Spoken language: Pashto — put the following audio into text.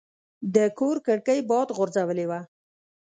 د کور کړکۍ باد غورځولې وه.